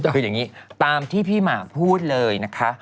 คืออย่างนี้ตามที่พี่หมากพูดเลยนะคะ